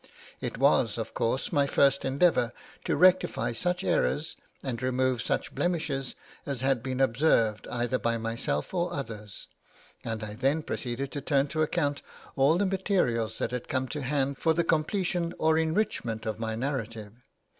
It was, of course, my first endeavour to rectify such errors and remove such blemishes as had been observed either by myself or others, and I then proceeded to turn to account all the materials that had come to hand for the completion or enrichment of my narrative.